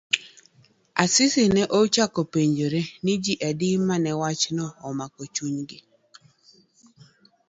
Asisi ne ochako penjore ni ji adi mane wachno omako chunygi.